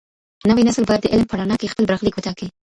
نوی نسل بايد د علم په رڼا کي خپل برخليک وټاکي.